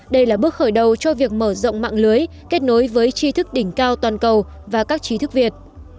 đây là bước khởi đầu cho việc mở rộng mạng lưới kết nối với chi thức đỉnh cao toàn cầu và các trí thức việt